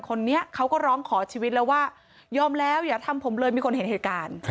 คนนี้เขาก็ร้องขอชีวิตแล้วว่ายอมแล้วอย่าทำผมเลยมีคนเห็นเหตุการณ์